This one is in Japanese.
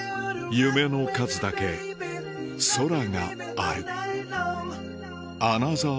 夢の数だけ空がある